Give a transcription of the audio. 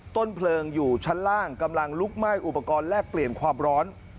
ต้นเพลิงอยู่ชั้นล่างกำลังลุกไหม้อุปกรณ์แลกเปลี่ยนความร้อน